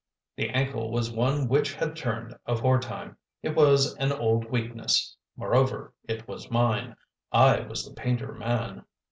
The ankle was one which had turned aforetime; it was an old weakness: moreover, it was mine. I was the painter man.